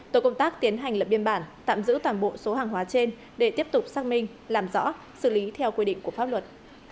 tổ công tác tiến hành lập biên bản tạm giữ toàn bộ số hàng hóa trên để tiếp tục xác minh làm rõ xử lý theo quy định của pháp luật